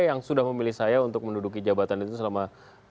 yang sudah memilih saya untuk menduduki jabatan itu selama lebih dari satu tahun